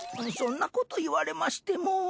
そんなこと言われましても。